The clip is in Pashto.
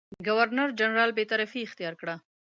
ګورنرجنرال بېطرفي اختیار کړه.